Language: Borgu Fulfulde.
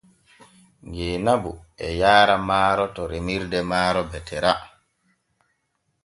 Jeenabu e yaara maaro to remirde maaro Betera.